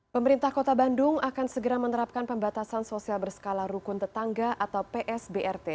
pemerintah kota bandung akan segera menerapkan pembatasan sosial berskala rukun tetangga atau psbrt